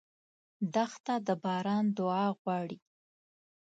دښته د باران دعا غواړي.